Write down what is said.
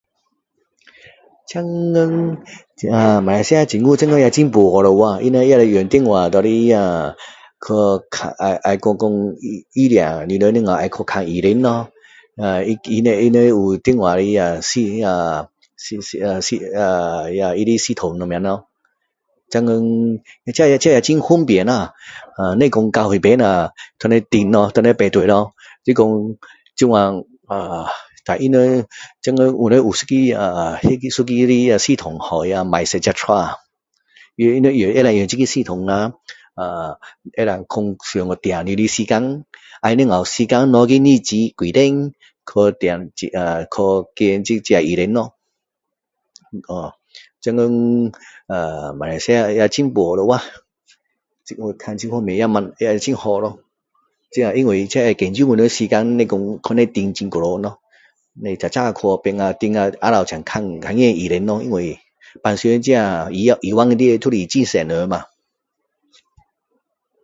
现今啊马来西亚政府现今也进步了啊他们也是用电话拿来去看看讲比如你们几时要去看医生咯啊他们他们有电话的系啊系啊系啊啊系系统什么咯现今这也这这也很方便啦呃不用到那边在哪儿等咯在哪儿排队咯就是说这样啊就是说然后他们有一个啊那个一个系统叫My Sejahtera用他们能够用那个系统啊呃可以讲可以上去订你的时间要几时时间日期几点订啊去见这个意医生咯现在呃马来西亚也进步了啊这方面也很好了咯这因为也见证我们时间不用等很久咯不用早早去变成等到下午才看见医生咯因为平常这医院里面就是很多人嘛